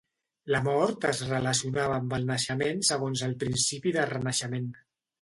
La mort es relacionava amb el naixement segons el principi de renaixement.